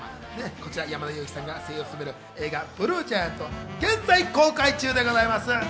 こちら山田裕貴さんが声優を務める映画『ＢＬＵＥＧＩＡＮＴ』は現在公開中でございます。